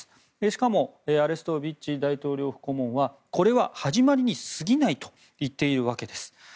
しかもアレストビッチ大統領府顧問はこれは始まりに過ぎないと言っているわけです。